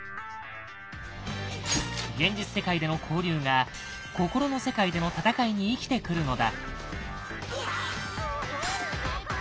現実世界での交流が心の世界での戦いに生きてくるのだ。